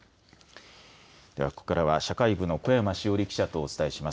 ここからは社会部の小山志央理記者とお伝えします。